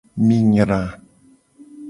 Mi nyra.